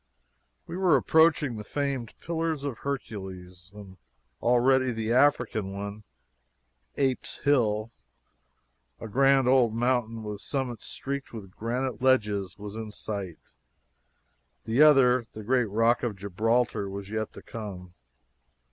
We were approaching the famed Pillars of Hercules, and already the African one, "Ape's Hill," a grand old mountain with summit streaked with granite ledges, was in sight. The other, the great Rock of Gibraltar, was yet to come.